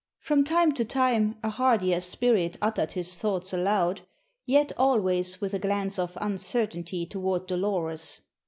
From time to time a hardier spirit uttered his thoughts aloud, yet always with a glance of uncertainty toward Dolores.